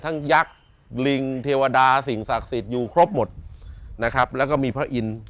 ยักษ์ลิงเทวดาสิ่งศักดิ์สิทธิ์อยู่ครบหมดนะครับแล้วก็มีพระอินทร์